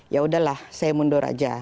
ya udahlah saya mundur aja